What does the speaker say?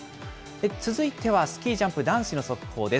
続いてはスキージャンプ男子の速報です。